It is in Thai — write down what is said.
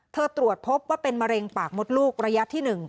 ตรวจพบว่าเป็นมะเร็งปากมดลูกระยะที่๑